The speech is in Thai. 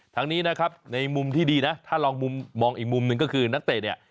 ทั้งนี้นะครับในมุมที่ดีนะถ้าลองมุมมองอีกมุมหนึ่งก็คือนักเตะเนี่ย